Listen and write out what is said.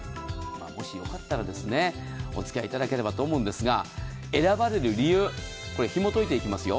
もしよかったらお付き合いいただければと思うんですが選ばれる理由ひもといていきますよ。